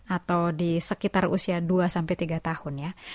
atau di sekitar usia dua sampai tiga tahun ya